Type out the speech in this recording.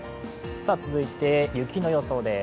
続いて雪の予想です。